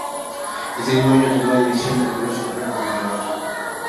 Ese mismo año tomó la decisión de continuar su carrera como entrenador.